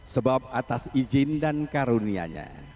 sebab atas izin dan karunianya